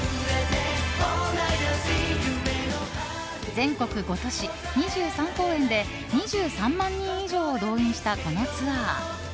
全国５都市２３公演で２３万人以上を動員したこのツアー。